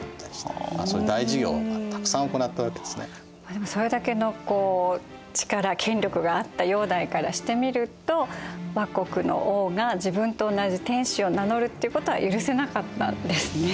でもそれだけの力権力があった煬帝からしてみると倭国の王が自分と同じ天子を名乗るってことは許せなかったんですね。